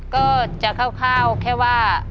ก็จะคร่าวแค่ว่า